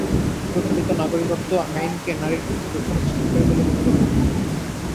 প্রচলিত নাগরিকত্ব আইনকে নারীর প্রতি বৈষম্য সৃষ্টিকারী বলে মনে করেন তিনি।